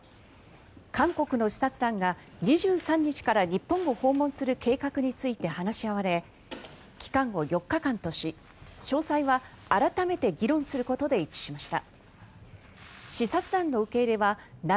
韓国の視察団が２３日から日本を訪問する計画について話し合われ期間を４日間とし詳細は改めて議論することで一致しました。